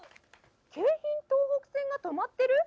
京浜東北線が止まってる？